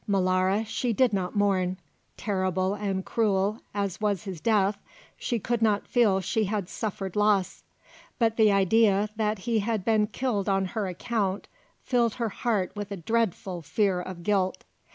Molara she did not mourn: terrible and cruel as was his death, she could not feel she had suffered loss; but the idea that he had been killed on her account filled her heart with a dreadful fear of guilt.